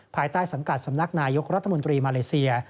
ภายใต้สังกัดสำนักนายกรัฐมนตรีมาเลเซีย